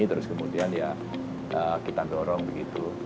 terus kemudian ya kita dorong begitu